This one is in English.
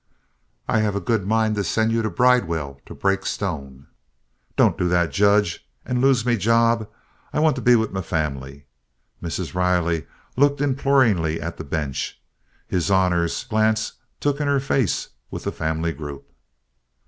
"I have a good mind to send you to Bridewell to break stone." "Don't do that, Judge, and lose me job. I want to be wid me family." Mrs. Riley looked imploringly at the bench. His Honor's glance took in her face with the family group.